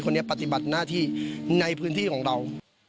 ปฏิบัติหน้าที่ในพื้นที่ของเรา